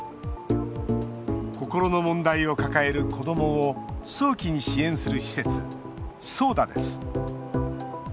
心の問題を抱える子どもを早期に支援する施設ＳＯＤＡです。